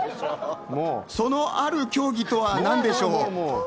そのある競技とは何でしょう？